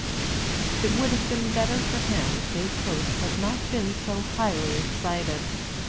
It would have been better for him if his hopes had not been so highly excited.